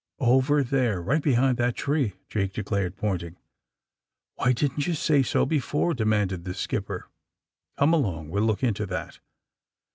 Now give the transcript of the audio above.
^^Over there — right behind that tree!" Jake declared, pointing. *^Why didn't you say so before?" demanded the skipper. '*Come along! We'll look into that."